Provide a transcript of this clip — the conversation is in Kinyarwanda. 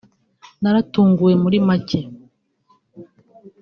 naratunguwe muri make